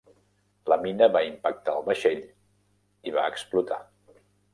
La mina va impactar al vaixell i va explotar.